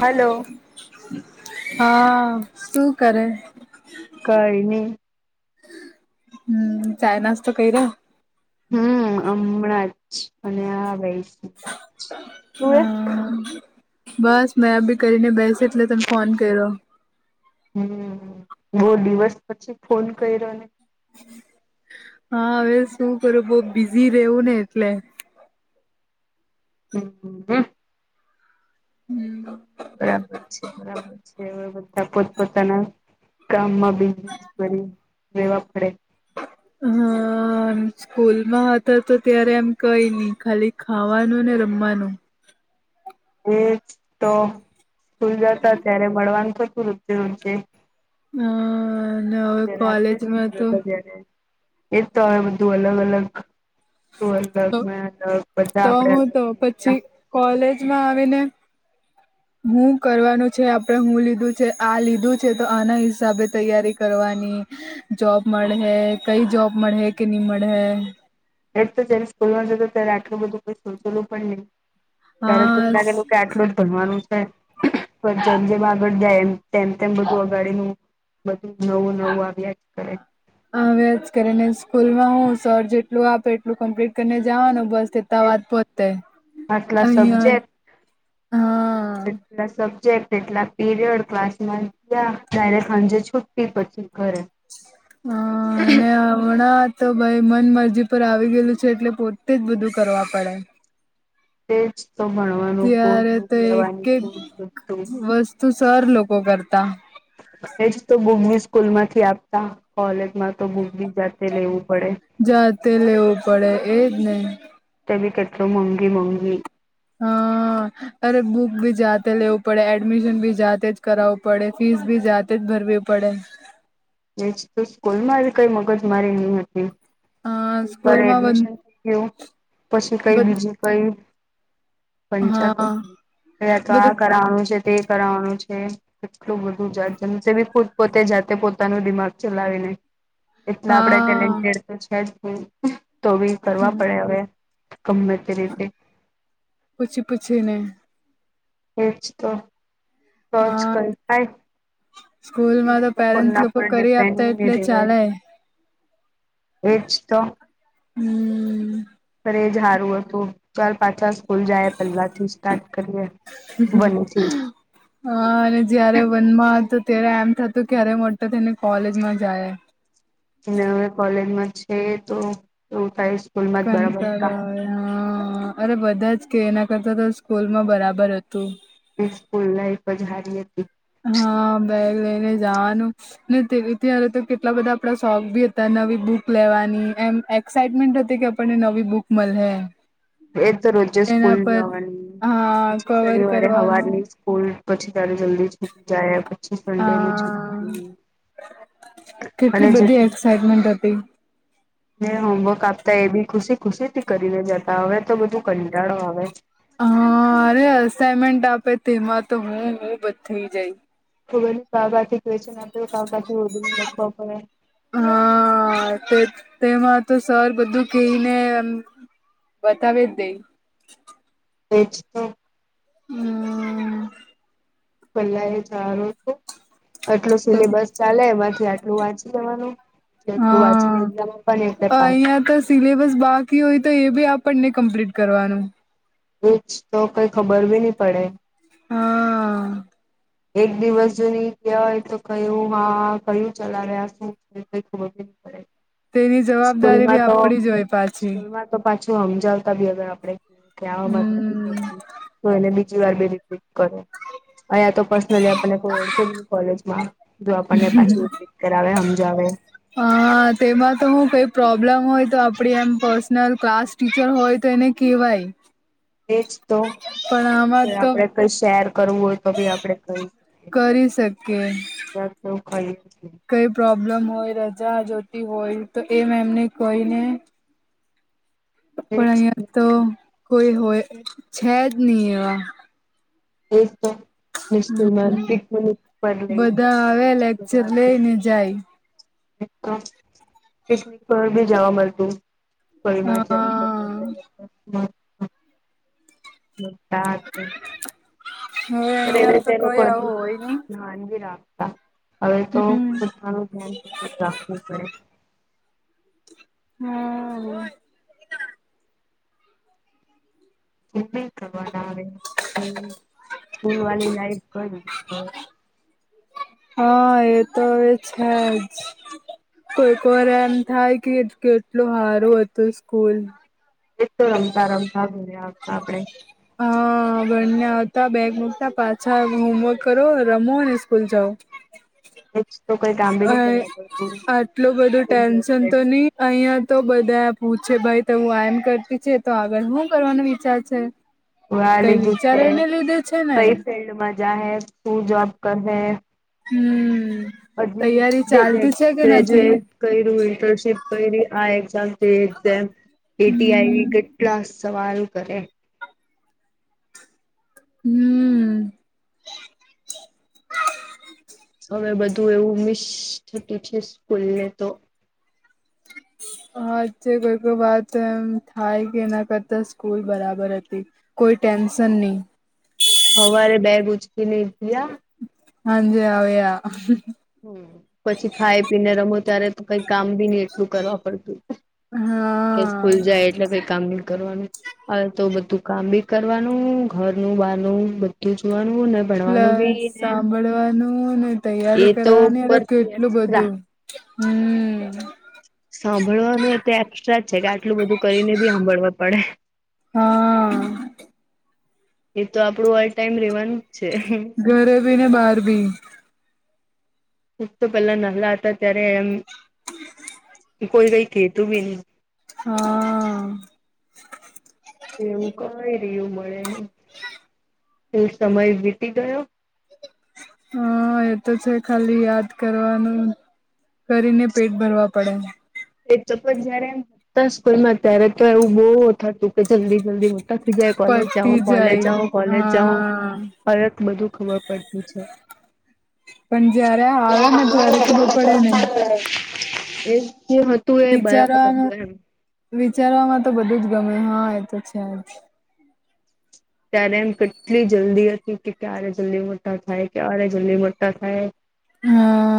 Hello હા શું કરે? કાઈ ની. હમ, ચાય નાસ્તો કઈયો? હમ હમણાં જ અને આ તું એ હા બસ મેં બી કરીને બેસે [unintelligible] તને ફોન કરયો. હમમ બહુ દિવસ પછી ફોન કર્યો ને? હા, હવે શું કરું બહું બિઝી રહેવું ને એટલે. હમ- હમ- હમ. હમ. બરાબર છે! બરાબર છે! હવે બધા પોત પોતાના કામમાં [unintelligible] કરી રહેેવા પડે. હા. હા સ્કૂલમાં હતા તો ત્યારે એમ કઈ ની ખાલી ખાવાનું ને રમવાનું. એજ તો સ્કૂલ જતા ત્યારે મળવાનું [unintelligible] હા, હવે કોલેજમાં તો ક્યારે એજ તો હવે બધું અલગ અલગ અલગ અલગ બધા તો આપડે અલગ હું તો થઈ ગયા પછી કોલેજમાં આવીને હું કરવાનું છે આપણે હું લીધું છે આ લીધું છે તો આના હિસાબે તૈયારી કરવાની જોબ મળે કઈ જોબ મળે કે નહી મળે એજ તો જયારે સ્કૂલમાં જતો ત્યારે આટલું બધુંઈ સોચેલું પણ નહીં. ત્યારે તેમ હા લાગેલ કે આટલું જ ભણવાનું છે. પણ જેમ જેમ આગળ જાય તેમ તેમ બધું અ આગાડીનું બધું નવું નવું અભ્યાસ કરે હ રોજ કરીને સ્કૂલ માં હું સર જેટલું આપે એટલું કમ્પ્લીટ કરીને જવાનું બસ આટલા સબ્જેક્ટ [unintelligible] [unintelligible] સબ્જેક્ટ એટલા પીરિયડ ક્લાસ માં ગયા [unintelligible] હ અને હમણા તો ભાઈ મન મરજી પર આવી ગયેલું છે એટલે પોતે જ બધું કરવા પડે તેજ તો ભણવાનું ખોદ ત્યારે બુક તો લેવાની ખોધુ તે સર લોકો કરતા એજ તો બુકભી સ્કૂલ માંથી આપતા કોલેજમાં તો બુકભી જાતે લેવું પડે. જાતે લેવું પડે એજને તેભી કેટલું મોંઘી મોંઘી હમ અરે બુક ભી જાતે લેવું પડે એડમિશન ભી જાતે જ કરાવવું પડે ફીસ ભી જાતે ભરવી પડે એજ સ્કૂલ માં કઈ મગજ મારી નઈ હતી. હા પ સ્કૂલમાં એડમિશન થઈ ગયું પછી કઈ બધ બીજી કઈ હા [unintelligible] તો આ બધું કરવાનું છે. તે કરવાનું છે કેટલું બધું જાત જમ બી ફૂ પોતે જાતે પોતે પોતાનું દિમાગ ચલાવીને એટલા આપણેે હા ટેલેન્ટેડ તો છે જ ફુલ તો બી કરવા હમ, પડે હવે ગમે તે રીતે પૂછીપુછીને એજ તો તોચ હા કર કાય સ્કૂલમાં એ તો પેરેન્ટ્સ કોના લોકો પરને કરી આપતા પેનને એટલે દેવાાઈ ચાલે એચ તો હમ પણ એજ સારું હતું ચાલ પાછા સ્કૂલ જાય પંજાબ થી સ્ટાર્ટ કરીએ વનથી હા અને જયારે વનમાં હતુ ત્યારે એમ થતું ક્યારે મોટ થઈને કોલેજમાં જાય અને હવે કોલેજમાં છે તો એવુ થાઈસે કંટાળા હ અરે બધા જ કે એના કરતા તો સ્કૂલમાં બરાબર હતું. બચપન લાઈફ જ હારી હતી હા બેગ લઈને જાવાનું ને ત્યારે તો કેટલા બધા આપડા શોખ બી હતા નવી બુક લેવાની એમ એક્સાાઈટમેન્ટ હતી કે આપણને નવી બુક મળે એ તો રોજે એના સ્કૂલ પર જવાની હા પછી કવર શનિવારે કરવાનું હવારની કોડ પછી તારે જલ્દી છૂટી જાય પછી સન્ડે ની હા છુટી કેટલી બધી એક્સાઈટમેન્ટ હતી જે હોમવર્ક આપતા એ બી ખુશી ખુશી થી કરીનેે જાત હવે તો બધું કંટાળો આવે અ અરે અસાઈનમેન્ટ આપે તેમાં તો હું હું બધ થઈ જાયશ [unintelligible] ખ બધું કાબાથી વેચન આપે કાબા થી બ બું લખવા પડે હા તે તેમાં તો સર બધું કહીને બતાવે દેય એજ તો હમ પેલા એ સારો આટલો સિલેબસ ચાલે એમાંથી આટલું વાંચી લેવાનું વાચી હા એમાં પણ એક પ [inaudible] અહિયાં તો સિલેબસ બાકી હોય તો એ બી આપણને કમ્પ્લીટ કરવાનું એજ તો કઈ ખબર ભી નહી પડે હા એક દિવસ જુની ક્યા હોય તો કહું હ કયું ચલા રહ્યા છું એ કંઈ ખબર બી ની પડે તેની જવાબદારી બી સ્કૂલમાં તો આપડી જો હોય પાછી સ્કૂલમાં પાછું સમજાવતા બી અર આપે ક્યાં નથી હમ પડતું તો એને બી ર [unintelligible] બે કર અહીંયા તો પર્સનલી આપને કોઈ ઓળખે બી ની કોલેજમાં જો આપણને પાછું રુપિટ કરાવે સમજાવે હા તેમાં તો હું કઈ પ્રોબ્લેમ હોય તો આપડી એમ પ ક્લાસ ટીચર હોય તો એને કહેવાય એજ તો તો આપણેે કઈ શેર કરવું હોય તો બી આપડે કઈ કરી શકે તો કાઈ [inaudible] કઈ પ્રોબ્લેમ હોય રજા જોતી હોય તો એમ એમને કોઈને પણ અહિયાં તો કોઈ હોય છે જ નહી એવા એ જ તો મુસ્તો મે હમ પિકમનિક પર લઈ બધા આવે જતા લેક્ચર મજાતી લઈને જાય [unintelligible] પિકનિક પર બી જવા મળતું કોિમાચ [inaudible] હા હા હવે અહિયાં વે તે તો કઈ લોકો આવું હોય નહી વાનગી રાખતા હવે તો હમ પોતાનું ધ્યાન રાખવું પડે હમ [unintelligible] સ્ કરવા આવે સ્કૂલ વાલી લાઈફય [unintelligible] હા એ તો એવે છે જ કોઈક વાર આમ થાય કે કેટલું સારું હતું સ્કૂલ એ તો રમતા રમતા ભર્યા આ આપડે હા બંને આવતા બેગ મૂકતા પાછા આવી હોમવર્ક કરો રમો અને સ્કૂલ જાઓ એ તો કોઈ કામ બી અ નહી કરવા પડતું આટલું બધું ટેન્શન તો ની અહિયાં તો બધા પૂછે ભાઈ તો હું એમ કરતી છે તો આગળ શું કરવાનો વિચાર છે આ કઈ લીધું છે વિચારેને લીધે છે ને કઈ ફિલ્ડમાં જાહે શું જોબ કર હમ તૈયારી હજી ચાલતી છે કે નથી ગ્રેજ્યુએટ કર્યું ઇન્ટર્નશીપ કરી આ એક્ઝામ જે એક્ઝામ કેટી હમ આયવી કેટ્લા સવાલ કરે હમ હવે બધું એવું મિસ થતુ છે સ્કૂલ ને તો. [inaudible] કોઈ કોઈ વાત એમ થાય કે એના કરતા સ્કૂલ બરાબર હતી. કોઈ ટેન્શનની. હવારે બેગ ઉચકીને [unintelligible] હાંજે આવે આ [unintelligible] હમ્મ પછી ખાઈ પીને રમો ત્યારે કઈ કામ બી ની એટલું કરવા પડતું કે સ્કૂલ હા જાય લે ભાઈ કામ ની કરવાનું. હવે તો બધું કામ બી કરવાનું, ઘરનું, બારનું બધું જોવાનું ને ભણવાનું પ્લસ બી ને સાંભળવાનું ને, એ તૈયારી તો કરવાની અરે ઉપરથી કેટલું એક્સ્ટ્રા બધું. હમ્મ. સાંભળવાનું એ તે એક્સ્ટ્રા જ છે કે આટલું બધું કરીને બી હાંભળવા પડે. હહ એ તો આપડું ઓલ ટાઈમ રેવાનું જ છે. ઘરે બી ને બહાર ભી. એક તો પેલા નાલા હતા ત્યારે એમ કે કોઈ કઈ કેતુ બી ની. હહ એવું કઈ રયુ મળે ની. એ સમય વીતી ગયો. હા એ તો છે ખાલી યાદ કરવાનું. કરીને પેટ ભરવા પડે. એ [unintelligible] જ્યારે હત સ્કૂલમાં ત્યારે તો એવું બો થતું કે જલ્દી જલ્દી. [unintelligible] કોલેજ જાઓ, પતી કોલેજ જાઓ, જાય કોલેજ જાઓ હા હવે ત બધું ખબર પડતી છે. પણ જયારે આવે ને ત્યારે ખબર પડે ને [inaudible] બરાબર વિચારવાનું હતું એમ વિચારવામાં તો બધું જ ગમે હા એ તો છે જ. ત્યારે એમ કેટલી જલ્દી હતી કે ક્યારે જલ્દી મોટા થાય, ક્યારે જલ્દી મોટા થાય. હહ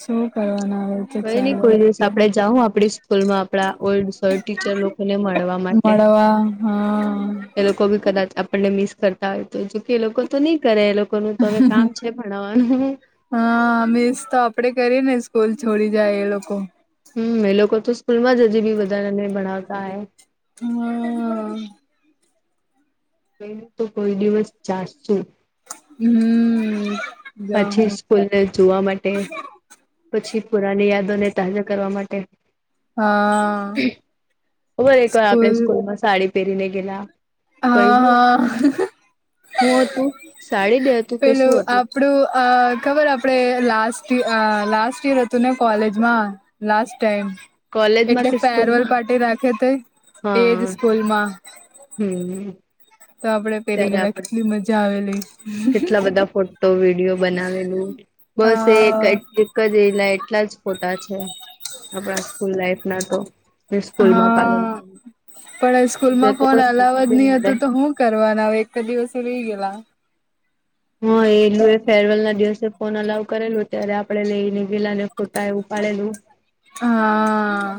શું કરવાના હવે? કઈ ની કોઈ દિવસ આપણે જાઉં હું આપડી સ્કૂલમાં આપડા ઓલ્ડ સર ટીચર લોકોને મળવા મા મળવા હહ લોકો બી કદાચ આપણને મિસ કરતા હોય તો જોકે એ લોકો તો ની કરે એ લોક કોનું તો હવે કામ છે ભણાવાનું. હહ મિસ તો આપડે કરીએ ને સ્કૂલ છોડી જાય એ લોકો. હમ્મ એ લોકો તો સ્કૂલમાં જ હજી બી બધાંને ભણાવતા હાએ. હહ સ્કૂલ તો કોઈ દિવસ જાશું જ. હમ્મ પછી સ સ્કૂલને જોવા માટે, પછી પુરાની યાદોને તાજા કરવા માટે. હા ખબરે એકવાર આપણે સ્કૂલ સ્કૂલમાં સાડી પહેરીને ગેલા કઈ હા હું હતું હા હું હતું સાડી ડે હતું કે પેલું શું આપ હતું આપડું અ ખબરે આપડે લાસ્ટ અ લાસ્ટ યર હતું ને કોલેજમાં? Last time. કોલેજમાં એટલે કે ફેરવલ સ્કૂલમાં પાર્ટી રાખે તે એજ સ્કૂલમાં. હમ હમ તો આપડે પેરી ત્યારે ગેલા આપણે કેટલી મજા આવેલી. કેટલા બધા ફોટો વિડીયો બનાવેલું બસ એક હા [inaudible] કરેલા એટલા જ ફોટા છે. આપણા સ્કૂલ લાઈફના તો મે સ્કૂલમાં હા પાડેલા એ. પણ સ્કૂલમાં ફોન અલાવ જ બી નહી ની મળે. હતું તો હું કરવાના હવે એક જ દીવસ તો વી ગયેલા. હા એલું એ ફેરવેલના દિવસે ફોન અલાવ કરેલું ત્યારે આપડે લઈને ગેલા ને ફોટા એવું પાડેલું. હા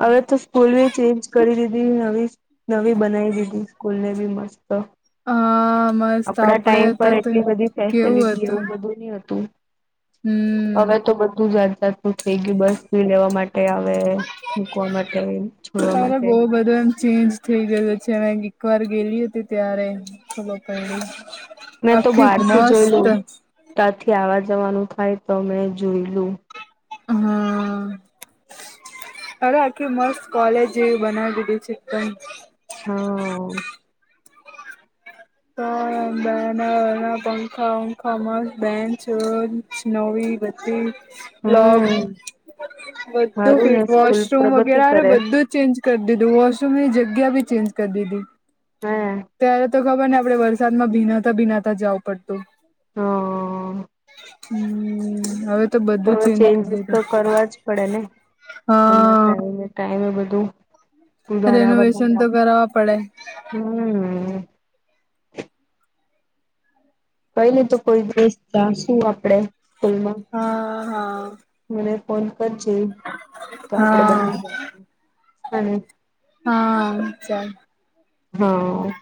હવે તો સ્કૂલ વી ચેન્જ કરી દીધી નવી નવી બનાઈ દીધી સ્કૂલને બી મસ્ત. અ આપણા ટાઈમ પર એટલી બધી કેવું ફેસલિટી હતું એવું બધું ની હતું અવે હમ તો બધું જાત જાત નુ થઈ ગયું બસ ફી લેવા માટે આવે મૂકવા માટે છોડવા અરે માટે બહુ બધું એમ ચેન્જ થઇ ગયો છે, મે એક વાર ગેલી હતી ત્યારે ખબર પયડી મેં તો આખી બહારથી મસ્ત જોયલું ત્યાંથી આવા જવાનું થાય તો મેં જોઈલું હા. અરે આખી મસ્ત કોલેજ બનાવી દીધી ચિકન હ. બેનર પંખા વંખા મ બેન્ચ નોવી બધી હમ પલવ બધું સારું ફી ને સ્કૂલ વોશરૂમ પ્રગતિ વગેરેરારે કરે બધું જ ચેન્જ કરી દીધું વોશરૂમની જગ્યા ભી ચેન્જ કરી દીધી હે ત્યારે તો ખબરને આપડે વરસાદમાં ભીનાતા ભીનાતા જાવું પડતું હ. હમ હવે તો બધું ચેન્જ કરી ચેન્જીસ તો દીધું કરવા જ પડે ને એના હા ટાઈમે ટાઈમે બધું સુધારા રેનોવેશન તો વધારા કરાવા પડે હમ. કઈની તો કોઈ દિવસ જાશું આપણેે સ્કૂલમાં હા હા. મને ફોન કરજે તો આપડે હા બને અને હા. હા.